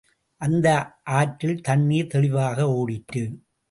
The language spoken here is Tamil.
அந்த ஆற்றில் தண்ணீர் தெளிவாக ஓடிற்று.